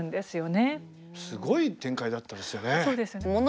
すごい展開だったですよね。